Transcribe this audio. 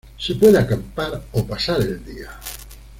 Se puede acampar o pasar el día.